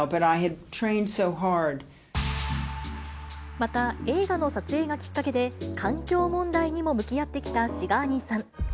また、映画の撮影がきっかけで、環境問題にも向き合ってきたシガーニーさん。